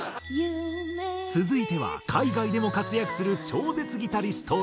続いては海外でも活躍する超絶ギタリストＲｅｉ。